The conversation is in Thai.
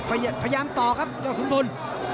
พยายามต่อครับยอดถูกหมด